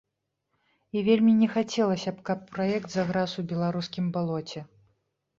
І вельмі не хацелася б, каб праект заграз у беларускім балоце.